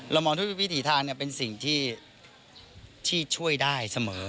มองทุกวิถีทางเป็นสิ่งที่ช่วยได้เสมอ